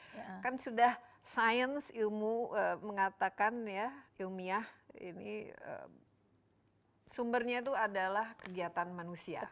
ya kan sudah sains ilmu mengatakan ya ilmiah ini sumbernya itu adalah kegiatan manusia